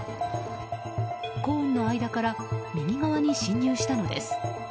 コーンの間から右側に進入したのです。